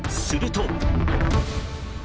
すると。